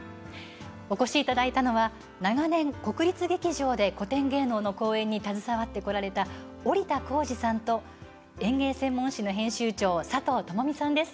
お越しいただいたのは長年国立劇場で古典芸能の公演に携わってこられた織田絋二さんと演芸専門誌の編集長佐藤友美さんです。